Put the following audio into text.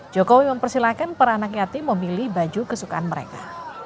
jokowi mempersilahkan para anak yatim memilih baju kesukaan mereka